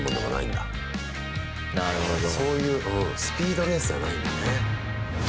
そういうスピードレースじゃないんだね。